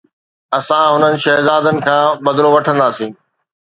اسان هنن شهزادن کان بدلو وٺنداسين